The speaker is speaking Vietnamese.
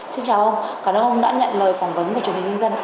xin chào ông cảm ơn ông đã nhận lời phỏng vấn của truyền hình nhân dân